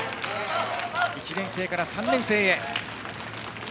１年生から３年生へ。